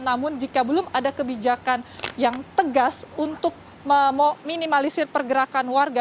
namun jika belum ada kebijakan yang tegas untuk meminimalisir pergerakan warga